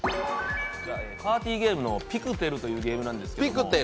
パーティーゲームの「ピクテル」というゲームです。